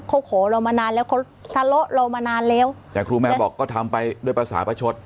เขาขอเรามานานแล้วเขาทะเลาะเรามานานแล้วแต่ครูแมวบอกก็ทำไปด้วยภาษาประชด